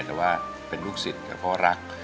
แต่ว่าเป็นลูกศิษย์แต่พ่อรัก